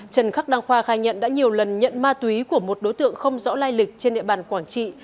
trần khắc đăng khoa khai nhận đã nhiều lần nhận ma túy của một đối tượng không rõ lai lịch trên địa bàn quảng trị